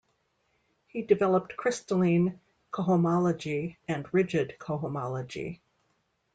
He developed crystalline cohomology and rigid cohomology.